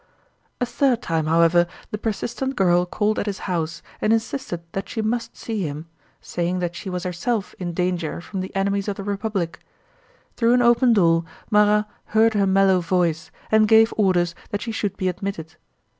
A third time, however, the persistent girl called at his house and insisted that she must see him, saying that she was herself in danger from the enemies of the Republic. Through an open door Marat heard her mellow voice and gave orders that she should be admitted.